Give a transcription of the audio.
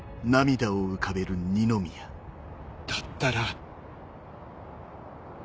だったら。